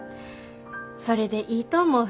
それでいいと思う。